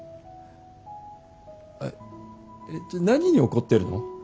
えっじゃあ何に怒ってるの？